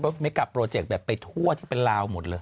เสียดายกลับไปทั่วที่เป็นลาวหมดเลย